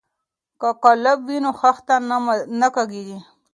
که قالب وي نو خښته نه کږیږي.